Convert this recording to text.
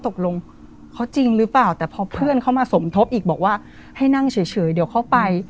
ตกลงเขาจริงหรือเปล่าแต่พอเพื่อนเขามาสมทบอีกบอกว่าให้นั่งเฉยเดี๋ยวเข้าไป